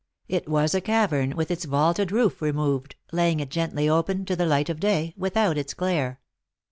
It was a cavern, with its vaulted roof removed, laying it gently open to the light of day, without its glare.